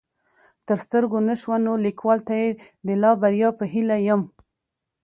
تر سترګو نه شوه نو ليکوال ته يې د لا بريا په هيله يم